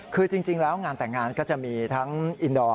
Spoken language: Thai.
คือจริงแล้วงานแต่งงานก็จะมีทั้งอินดอร์